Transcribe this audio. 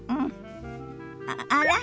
あら？